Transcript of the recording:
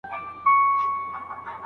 د لارښود زحمتونه نه بې ارزښته کېږي.